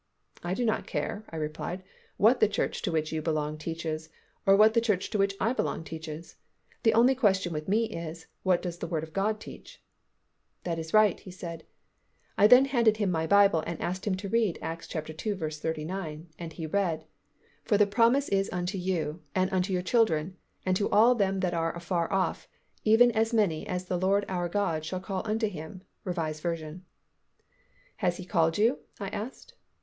"I do not care," I replied, "what the church to which you belong teaches, or what the church to which I belong teaches. The only question with me is, What does the Word of God teach?" "That is right," he said. I then handed him my Bible and asked him to read Acts ii. 39, and he read, "For the promise is unto you, and unto your children and to all them that are afar off even as many as the Lord our God shall call unto Him" (R. V.). "Has He called you?" I asked.